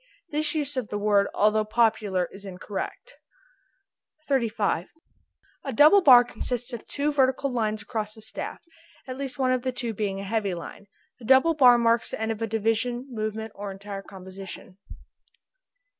This use of the word, although popular, is incorrect. 35. A double bar consists of two vertical lines across the staff, at least one of the two being a heavy line. The double bar marks the end of a division, movement, or entire composition.